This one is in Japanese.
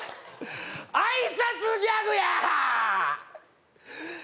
挨拶ギャグやー！